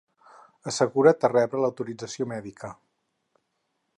Assegura't de rebre l'autorització mèdica!